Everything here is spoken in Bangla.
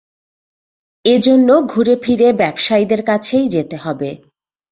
এ জন্য ঘুরেফিরে ব্যবসায়ীদের কাছেই যেতে হবে।